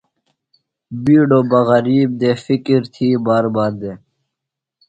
بِیڈوۡ بہ غریب دےۡ، فِکر تھی باربار دےۡ